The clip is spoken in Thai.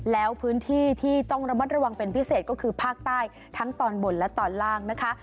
แล้วพื้นที่ที่ต้องระมัดระวังเป็นพิเศษก็คือภาคใต้ทั้งตอนบนและตอนล่างนะคะ